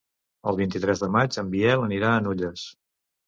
El vint-i-tres de maig en Biel anirà a Nulles.